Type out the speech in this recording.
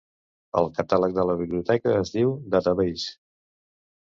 El catàleg de la biblioteca es diu "Dadabase".